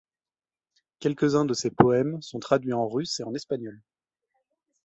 Quelques-uns de ses poèmes sont traduits en russe et en espagnol.